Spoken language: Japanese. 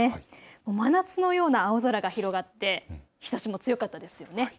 真夏のような青空が広がって日ざしも強かったですね。